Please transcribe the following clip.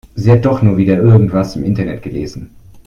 Sie hat doch nur wieder irgendwas im Internet gelesen.